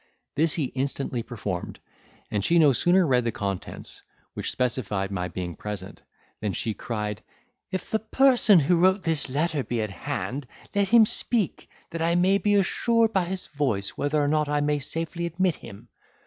This he instantly performed: and she no sooner read the contents, which specified my being present, than she cried, "If the person who wrote this letter be at hand, let him speak, that I may be assured by his voice whether or not I may safely admit him."